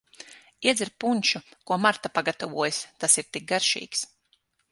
Iedzer punšu, ko Marta pagatavojusi, tas ir tik garšīgs.